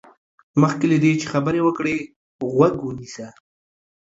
مخکې له دې چې خبرې وکړې، غوږ ونيسه.